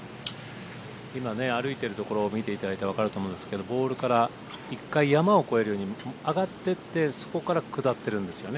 今、歩いているところを見ていただいたらわかると思うんですけどボールから１回山を越えるように上がっていってそこから下ってるんですよね。